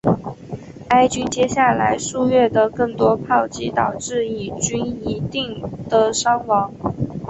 埃军接下来数月的更多炮击导致以军一定的伤亡。